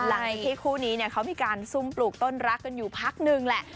ที่คู่นี้เนี่ยเขามีการซุ่มปลูกต้นรักกันอยู่พักนึงแหละ